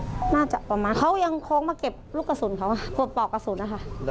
น่าจะประมาณเขายังคงมาเก็บลูกกระสุนเขาพบปลอกกระสุนนะคะ